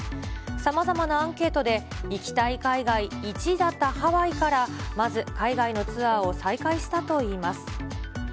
さまざまなアンケートで、行きたい海外１位だったハワイから、まず海外のツアーを再開したといいます。